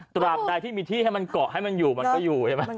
ตราบใดที่มีที่ให้มันเกาะให้มันอยู่มันก็อยู่ใช่ไหม